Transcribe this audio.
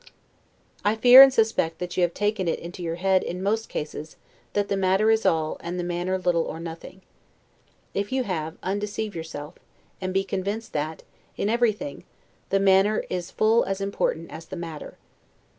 I fear and suspect, that you have taken it into your head, in most cases, that the matter is all, and the manner little or nothing. If you have, undeceive yourself, and be convinced that, in everything, the manner is full as important as the matter.